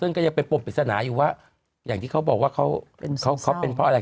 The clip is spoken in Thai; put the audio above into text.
ซึ่งก็ยังเป็นปมปริศนาอยู่ว่าอย่างที่เขาบอกว่าเขาเขาเป็นเพราะอะไร